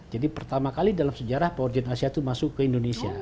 jadi pertama kali dalam sejarah power gen asia itu masuk ke indonesia